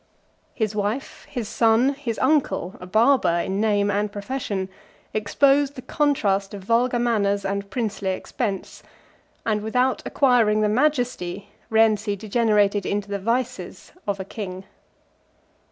His wife, his son, his uncle, (a barber in name and profession,) exposed the contrast of vulgar manners and princely expense; and without acquiring the majesty, Rienzi degenerated into the vices, of a king.